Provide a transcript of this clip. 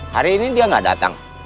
hari ini dia nggak datang